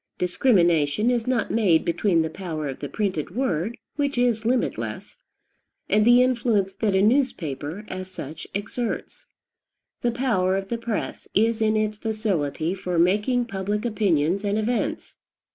Discrimination is not made between the power of the printed word which is limitless and the influence that a newspaper, as such, exerts. The power of the press is in its facility for making public opinions and events.